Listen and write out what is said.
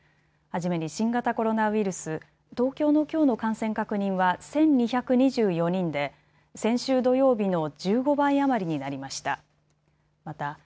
初めに新型コロナウイルス、東京のきょうの感染確認は１２２４人で先週土曜日の１５倍余りになりました。